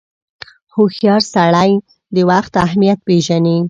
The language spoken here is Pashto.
• هوښیار سړی د وخت اهمیت پیژني.